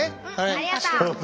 ありがとう。